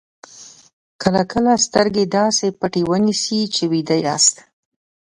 کله کله سترګې داسې پټې ونیسئ چې ویده یاست.